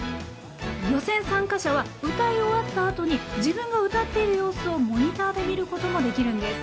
予選参加者は歌い終わったあとに自分が歌っている様子をモニターで見ることもできるんです。